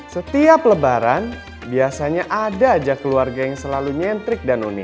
setiap lebaran biasanya ada aja keluarga yang selalu nyentrik dan unik